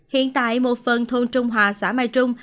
hiện tại một phần thôn trung hòa xã mai trung